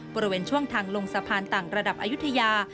บริเวณช่วงทางลงสะพานต่างระดับอายุทยา